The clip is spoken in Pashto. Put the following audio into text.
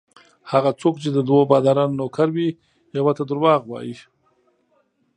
هغه څوک چې د دوو بادارانو نوکر وي یوه ته درواغ وايي.